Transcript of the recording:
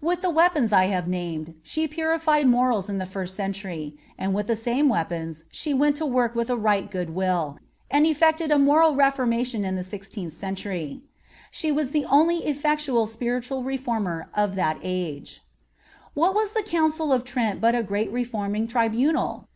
With the weapons I have named she purified morals in the first century, and with the same weapons she went to work with a right good will, and effected a moral reformation in the sixteenth century. She was the only effectual spiritual reformer of that age. What was the Council of Trent but a great reforming tribunal?